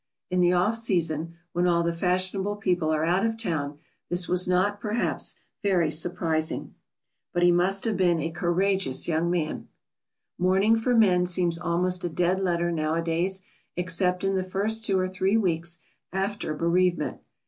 In the off season, when all the fashionable people are out of town, this was not, perhaps, very surprising. [Sidenote: A courageous young man.] But he must have been a courageous young man. [Sidenote: Mourning dress.] Mourning for men seems almost a dead letter nowadays, except in the first two or three weeks after bereavement.